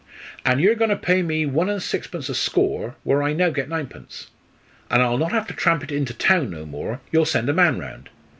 "An' yer agoin' to pay me one a sixpence a score, where I now gets ninepence. And I'll not have to tramp it into town no more you'll send a man round.